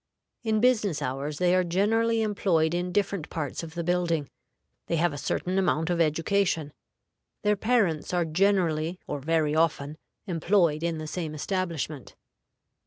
In business hours they are generally employed in different parts of the building. They have a certain amount of education. Their parents are generally, or very often, employed in the same establishment.